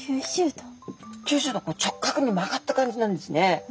９０度直角に曲がった感じなんですね。